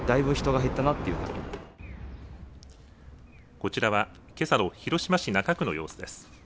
こちらはけさの広島市中区の様子です。